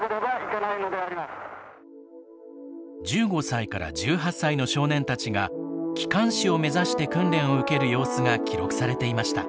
１５歳から１８歳の少年たちが機関士を目指して訓練を受ける様子が記録されていました。